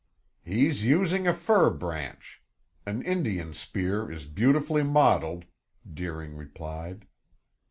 "He's using a fir branch. An Indian spear is beautifully modeled," Deering replied.